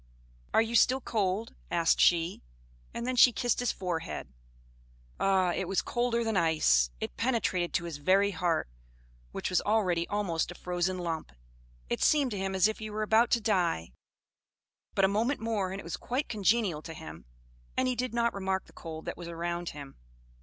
"Are you still cold?" asked she; and then she kissed his forehead. Ah! it was colder than ice; it penetrated to his very heart, which was already almost a frozen lump; it seemed to him as if he were about to die but a moment more and it was quite congenial to him, and he did not remark the cold that was around him.